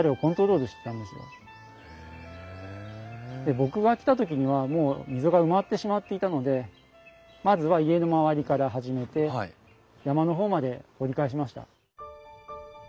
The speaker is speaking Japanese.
僕が来た時にはもう溝が埋まってしまっていたのでまずは家のまわりから始めて山の方まで掘り返しました。